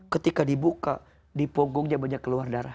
ketika dibuka di punggungnya banyak keluar darah